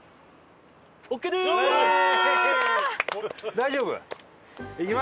大丈夫？